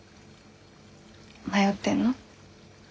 迷ってんの？